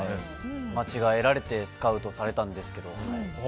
間違えられてスカウトされたんですけども。